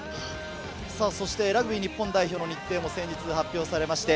ラグビー日本代表の日程も先日発表されました。